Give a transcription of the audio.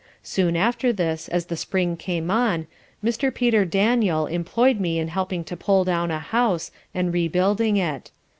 Soon after this, as the spring came on, Mr. Peter Daniel employed me in helping to pull down a house, and rebuilding it.